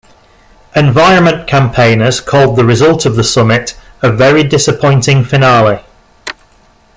Environment campaigners called the result of the summit "a very disappointing finale".